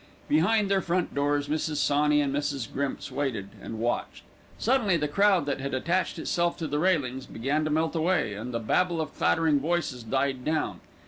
Behind their front doors, Mrs. Sawney and Mrs. Grimps waited and watched. Suddenly the crowd that had attached itself to the railings began to melt away, and the babel of clattering voices died down.